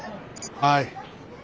はい。